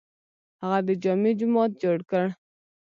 هغه د جامع جومات جوړ کړ.